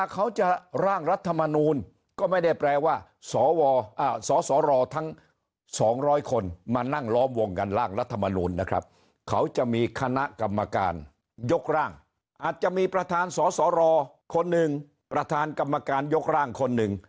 เขาจะร่างรัฐมนูลก็ไม่ได้แปลว่าสวสสรทั้ง๒๐๐คนมานั่งล้อมวงกันร่างรัฐมนูลนะครับเขาจะมีคณะกรรมการยกร่างอาจจะมีประธานสสรคนหนึ่งประธานกรรมการยกร่างคนหนึ่ง